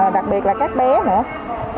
đặc biệt là các bé nữa